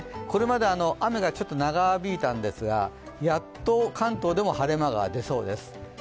これまで雨がちょっと長引いたんですがやっと関東でも晴れ間が出そうです。